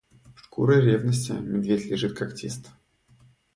Шкурой ревности медведь лежит когтист.